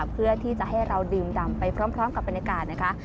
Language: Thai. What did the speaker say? เพื่อที่จะให้เราดื่มดำไปพร้อมกับบรรยากาศนะคะ